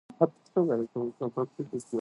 新聞を読んでいます。